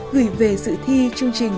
gửi về sự thi chương trình